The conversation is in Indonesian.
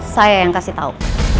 saya yang kasih tau